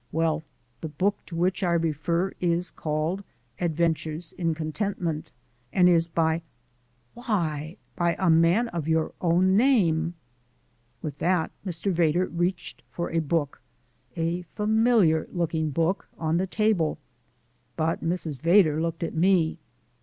Well, the book to which I refer is called 'Adventures in Contentment,' and is by Why, a man of your own name!" With that Mr. Vedder reached for a book a familiar looking book on the table, but Mrs. Vedder looked at me.